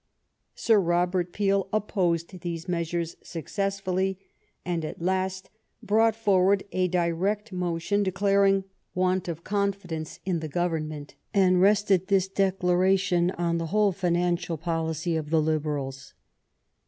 Sir Robert Peel opposed these measures successfully, and at last brought forward a direct motion de claring want of confidence in the Government, and rested this declaration on the whole financial policy of the Liberals.